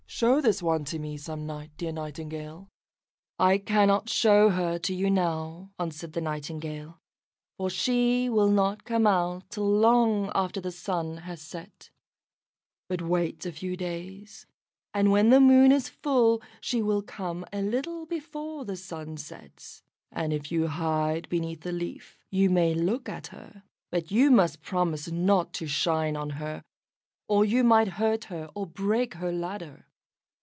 Show this one to me some night, dear Nightingale." "I cannot show her to you now," answered the Nightingale; "for she will not come out till long after the sun has set; but wait a few days, and when the Moon is full she will come a little before the Sun sets, and if you hide beneath a leaf you may look at her. But you must promise not to shine on her, or you might hurt her, or break her ladder."